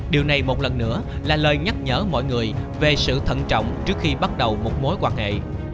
điều này một lần nữa là lời nhắc nhở mọi người về sự thận trọng trước khi bắt đầu một mối quan hệ